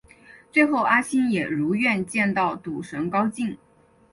最后阿星也如愿见到赌神高进。